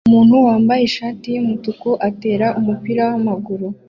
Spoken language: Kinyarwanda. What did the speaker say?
Umuntu wambaye ishati yumutuku atera umupira wamaguru